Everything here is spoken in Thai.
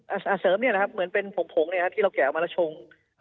เสริมเนี่ยนะครับเหมือนเป็นผงผงเนี่ยครับที่เราแกะออกมาแล้วชง